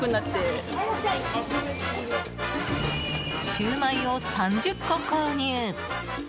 シューマイを３０個購入。